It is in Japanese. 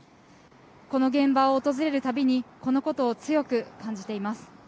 この現場を訪れるたびに、このことを強く感じています。